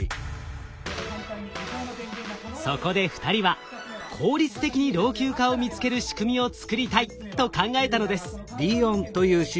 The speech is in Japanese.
そこで２人は効率的に老朽化を見つける仕組みを作りたいと考えたのです。